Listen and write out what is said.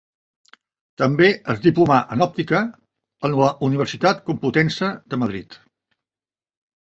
També es diplomà en òptica en la Universitat Complutense de Madrid.